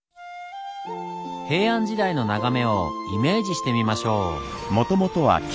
平安時代の眺めをイメージしてみましょう。